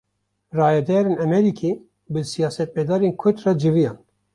Rayedarên Emerîkî, bi siyasemedarên Kurd re civiyan